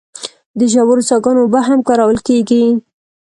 د ژورو څاګانو اوبه هم کارول کیږي.